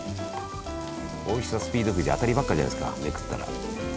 おいしさスピードくじ当たりばっかじゃないですかめくったら。